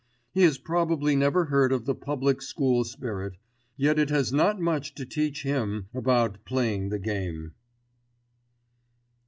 He has probably never heard of the Public School Spirit; yet it has not much to teach him about playing the game.